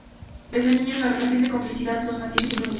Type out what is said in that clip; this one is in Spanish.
Desde niños, la relación de complicidad los mantiene siempre unidos.